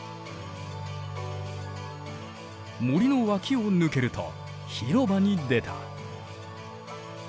森の脇を抜けると広場に出た。